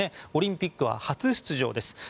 オリンピックは初出場です。